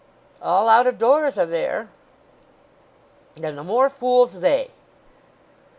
"All out of doors are there." "Then the more fools they!"